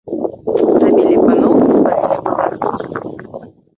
Забілі паноў і спалілі палац.